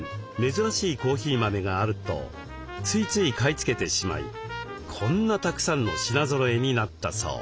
珍しいコーヒー豆があるとついつい買い付けてしまいこんなたくさんの品ぞろえになったそう。